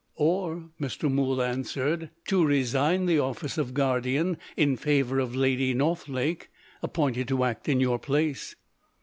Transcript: "Or," Mr. Mool answered, "to resign the office of guardian, in favour of Lady Northlake appointed to act, in your place."